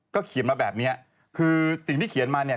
เขียนมาแบบเนี้ยคือสิ่งที่เขียนมาเนี่ย